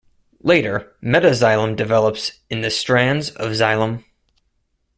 Later, 'metaxylem' develops in the strands of xylem.